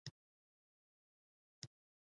ګلاب څنګه ساتل کیږي؟